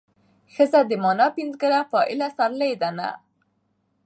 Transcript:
ښځه د مانا پنځګره فاعله سرلې ده نه